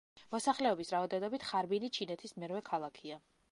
მოსახლეობის რაოდენობით ხარბინი ჩინეთის მერვე ქალაქია.